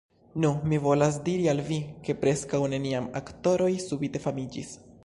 Nun, mi volas diri al vi, ke preskaŭ neniam aktoroj subite famiĝis.